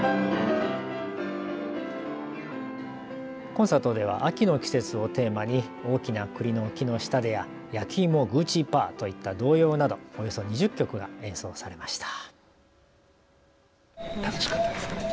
コンサートでは秋の季節をテーマに、大きな栗の木の下でややきいもグーチーパーといった童謡などおよそ２０曲が演奏されました。